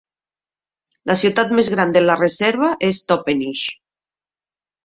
La ciutat més gran de la reserva és Toppenish.